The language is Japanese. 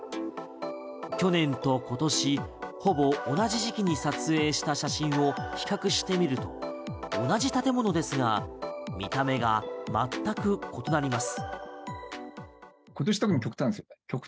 去年と今年、ほぼ同じ時期に撮影した写真を比較してみると同じ建物ですが見た目が全く異なります。